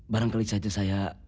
barangkali saja saya